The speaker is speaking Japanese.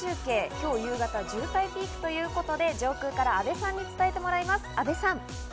今日夕方、渋滞ピークということで上空から阿部さんに伝えてもらいます、阿部さん。